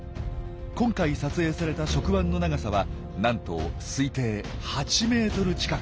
今回撮影された触腕の長さはなんと推定８ｍ近く！